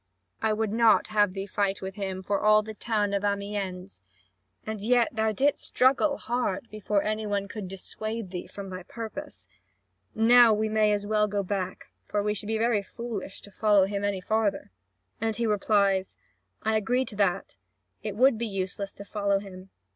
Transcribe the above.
I would not have thee fight with him for all the town of Amiens; and yet thou didst struggle hard, before any one could dissuade thee from thy purpose. Now we may as well go back, for we should be very foolish to follow him any farther." And he replies: "I agree to that. It would be useless to follow him.